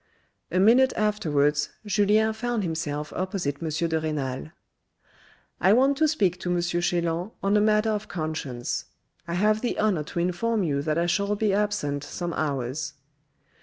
A minute afterwards Julien found himself opposite M. de Renal. " I want to speak to M. Chelan on a matter of conscience. I have the honour to inform you that I shall be absent some hours."